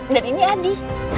dan ini adi